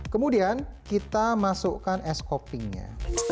kemudian kita masukkan es kopi nya